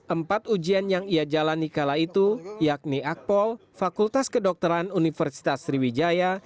empat ujian yang ia jalani kala itu yakni akpol fakultas kedokteran universitas sriwijaya